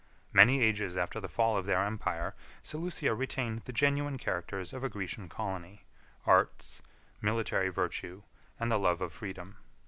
38 Many ages after the fall of their empire, Seleucia retained the genuine characters of a Grecian colony, arts, military virtue, and the love of freedom.